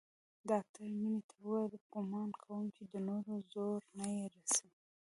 ډاکتر مينې ته وويل ګومان کوم چې د نورو زور نه پې رسي.